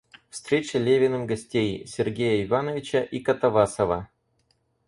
Встреча Левиным гостей — Сергея Ивановича и Катавасова.